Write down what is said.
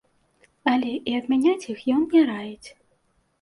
Але і адмяняць іх ён не раіць.